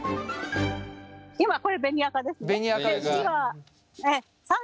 今これ紅赤ですね。